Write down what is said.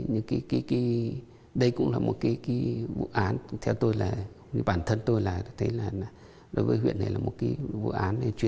nhưng khi kể về cuộc sống hai mươi năm trong rừng sâu của chứ